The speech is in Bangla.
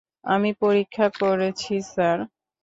আমি পরীক্ষা করেছি, স্যার।